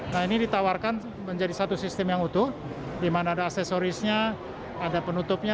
nah ini ditawarkan menjadi satu sistem yang utuh di mana ada aksesorisnya ada penutupnya